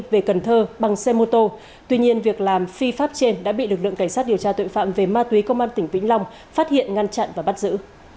về cần thơ bằng xe mô tô tuy nhiên việc làm phi pháp trên đã bị lực lượng cảnh sát điều tra tội phạm về ma túy công an tỉnh vĩnh long phát hiện ngăn chặn và bắt giữ